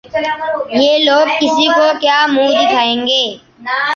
یہ لوگ کسی کو کیا منہ دکھائیں گے؟